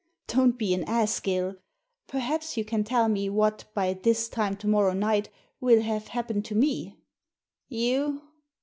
" Don't be an ass, Gill ! Perhaps you can tell me what, by this time to morrow night, will have happened to me? " You